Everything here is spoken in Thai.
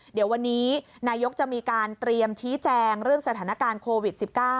เดี๋ยววันนี้นายกจะมีการเตรียมชี้แจงเรื่องสถานการณ์โควิด๑๙